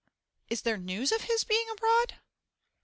Is there news of his being abroad?